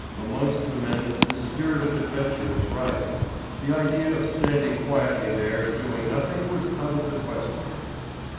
Amongst the men the spirit of adventure was rising; the idea of standing quietly there and doing nothing was out of the question.